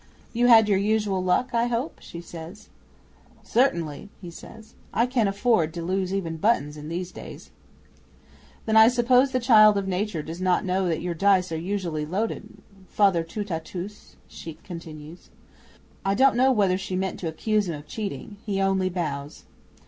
'"You had your usual luck, I hope?" she says. '"Certainly," he says. "I cannot afford to lose even buttons in these days." '"Then I suppose the child of nature does not know that your dice are usually loaded, Father Tout a tous," she continues. I don't know whether she meant to accuse him of cheating. He only bows.